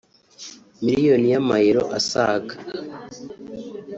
M€ (asaga